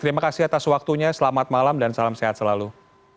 terima kasih atas waktunya selamat malam dan salam sehat selalu